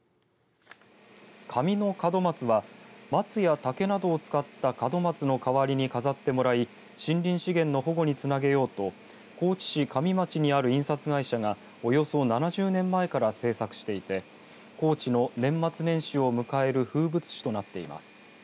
紙の門松は松や竹などを使った門松の代わりに飾ってもらい森林資源の保護につなげようと高知市上町にある印刷会社がおよそ７０年前から制作していて高知の年末年始を迎える風物詩となっています。